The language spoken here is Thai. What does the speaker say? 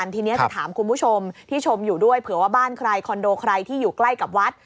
ทีนี้จะถามคุณผู้ชมที่ชมอยู่ด้วยเผื่อว่าบ้านใครคอนโดใครที่อยู่ใกล้กับวัด